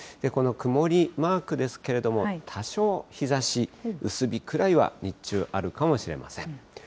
この曇りマークですけれども、多少日ざし、薄日くらいは日中あるかもしれません。